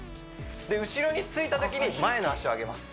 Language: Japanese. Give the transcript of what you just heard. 後ろについてたときに前の足を上げます